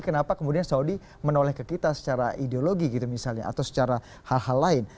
kenapa kemudian saudi menoleh ke kita secara ideologi gitu misalnya atau secara hal hal lain